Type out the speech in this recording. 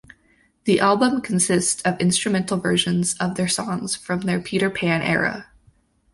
The album consists of instrumental version of their songs from their Peterpan era.